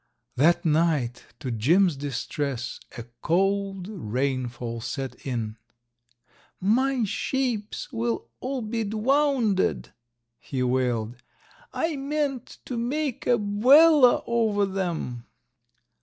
That night, to Jim's distress, a cold rainfall set in. "My sheeps will all be dwounded," he wailed! "I meant to make a 'bwella over them!"